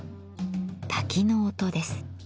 滝の音です。